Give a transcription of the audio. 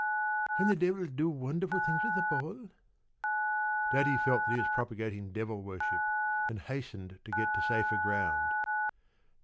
p> "Can the Devil do wonderful things with a ball?" Daddy felt that he was propagating devil worship and hastened to get to safer ground.